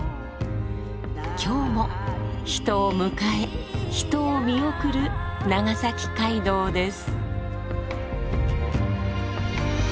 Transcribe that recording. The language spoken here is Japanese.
今日も人を迎え人を見送る長崎街道です。